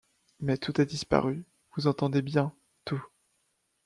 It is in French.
Mais tout a disparu, vous entendez bien, tout !